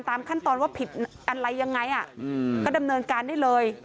ตามขั้นตอนว่าผิดอะไรยังไงก็ดำเนินการได้เลย